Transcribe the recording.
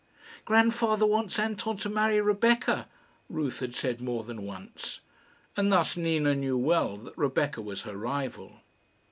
"Grandfather wants Anton to marry Rebecca," Ruth had said more than once; and thus Nina knew well that Rebecca was her rival.